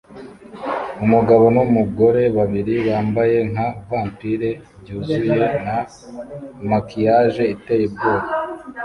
Umugabo numugore babiri bambaye nka vampire byuzuye na makiyaje iteye ubwoba